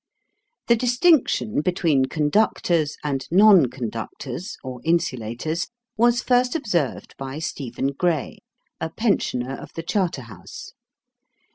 The distinction between conductors and non conductors or insulators was first observed by Stephen Gray, a pensioner of the Charter house.